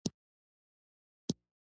شاعري هم د عوامو یوه اغېزناکه وسله وه.